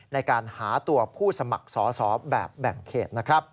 ในการหาตัวผู้สมัครสอสอแบบแบ่งเขตนะครับ